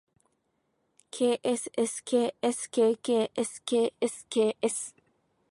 ｋｓｓｋｓｋｋｓｋｓｋｓ